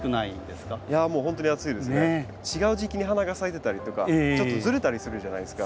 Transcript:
違う時期に花が咲いてたりとかちょっとずれたりするじゃないですか。